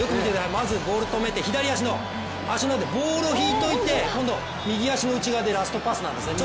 まずボール止めて左足の、足の裏でボールを引いておいて今度、右足の内側でラストパスなんですよね。